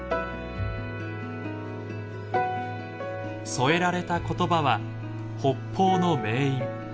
添えられた言葉は「北方の命韻」。